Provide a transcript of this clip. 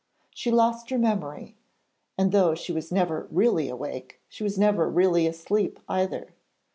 She lost her memory, and though she was never really awake, she was never really asleep either.